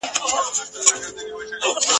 پنځه شپږ ځله يې خپل مېړه ټېله كړ !.